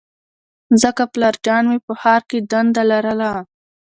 ځکه پلارجان مې په ښار کې دنده لرله